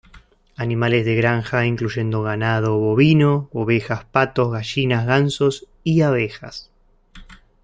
Animales de granja incluyendo ganando bovino, ovejas, patos, gallinas, gansos, y abejas.